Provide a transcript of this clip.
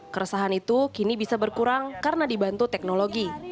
keresahan itu kini bisa berkurang karena dibantu teknologi